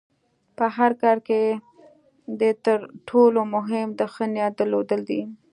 په هر کار کې د تر ټولو مهم د ښۀ نیت درلودل دي.